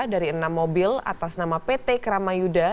dari enam mobil atas nama pt kramayuda